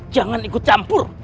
jangan ikut campur